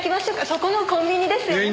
そこのコンビニですよね。